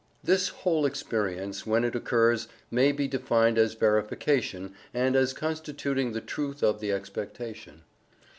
This whole experience, when it occurs, may be defined as verification, and as constituting the truth of the expectation.